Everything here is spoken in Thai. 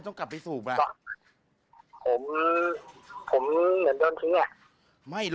ใช่ผมเข้าใจพี่